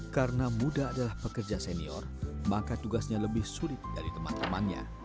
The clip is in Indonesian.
karena muda adalah pekerja senior maka tugasnya lebih sulit dari teman temannya